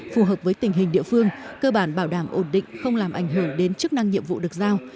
phù hợp với tình hình địa phương cơ bản bảo đảm ổn định không làm ảnh hưởng đến chức năng nhiệm vụ được giao